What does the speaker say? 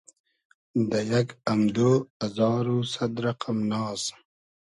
دۂ یئگ امدۉ ازار و سئد رئقئم ناز